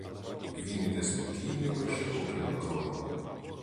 Він іде спокійними широкими кроками.